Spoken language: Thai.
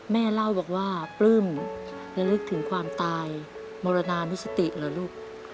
แม่เล่าบอกว่าปลื้มระลึกถึงความตายมรณานิสติเหรอลูก